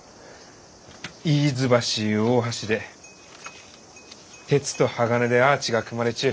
イーズ橋ゆう大橋で鉄と鋼でアーチが組まれちゅう